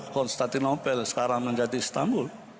konstantinopel sekarang menjadi istanbul